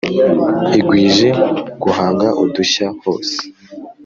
igwije guhanga udushya hose,